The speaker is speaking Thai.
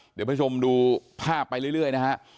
เดี๋ยวผู้ชมดูภาพไปเรื่อยนะฮะ